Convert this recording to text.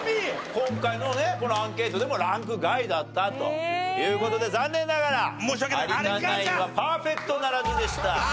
今回のねこのアンケートでもランク外だったという事で残念ながら有田ナインはパーフェクトならずでした。